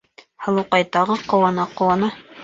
Һылыуҡай тағы ҡыуана-ҡыуана: